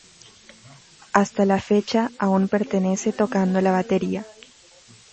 Hasta la fecha aún pertenece tocando la batería.